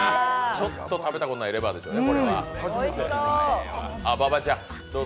ちょっと食べたことないレバーですね。